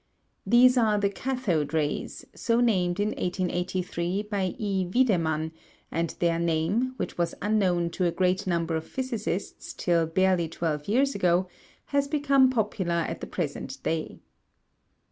These are the cathode rays, so named in 1883 by E. Wiedemann, and their name, which was unknown to a great number of physicists till barely twelve years ago, has become popular at the present day.